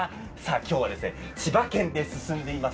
今日は千葉県で進んでいます